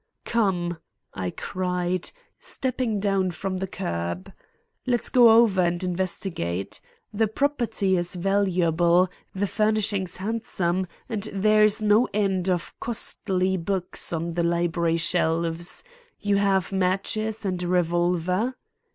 "Come," I cried, stepping down from the curb, "let's go over and investigate. The property is valuable, the furnishings handsome, and there is no end of costly books on the library shelves. You have matches and a revolver?"